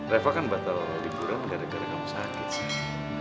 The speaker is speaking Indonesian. reva kan batal liburan gara gara kamu sakit sih